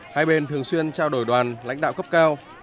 hai bên thường xuyên trao đổi đoàn lãnh đạo cấp cao